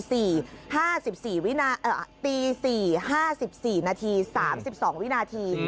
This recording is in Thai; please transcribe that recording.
ตี๔๕๔วินาที๓๒วินาที